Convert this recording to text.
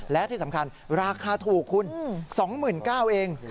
และที่สำคัญราคาถูกคุณ๒หมื่นเจ้าเอง